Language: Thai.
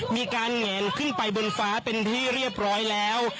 แงนขึ้นไปบนฟ้าเป็นที่เรียบร้อยแล้ว